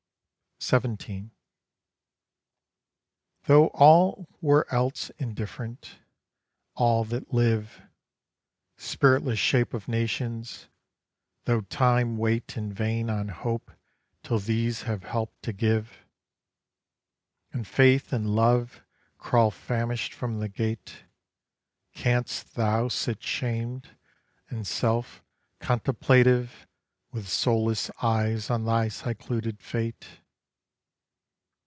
17 Though all were else indifferent, all that live Spiritless shapes of nations; though time wait In vain on hope till these have help to give, And faith and love crawl famished from the gate; Canst thou sit shamed and self contemplative With soulless eyes on thy secluded fate?